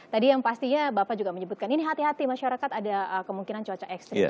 tadi yang pastinya bapak juga menyebutkan ini hati hati masyarakat ada kemungkinan cuaca ekstrim